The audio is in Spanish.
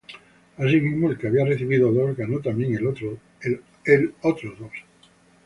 Asimismo el que había recibido dos, ganó también él otros dos.